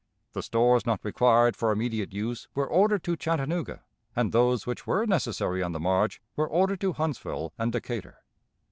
The stores not required for immediate use were ordered to Chattanooga, and those which were necessary on the march were ordered to Huntsville and Decatur.